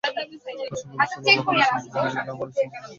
রাসূল সাল্লাল্লাহু আলাইহি ওয়াসাল্লাম মদীনায় এলে আমরা ইসলাম ধর্ম গ্রহণ করব।